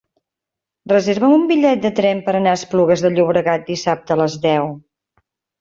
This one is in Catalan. Reserva'm un bitllet de tren per anar a Esplugues de Llobregat dissabte a les deu.